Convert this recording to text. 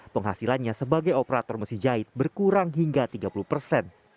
penghasilannya sebagai operator mesin jahit berkurang hingga tiga puluh persen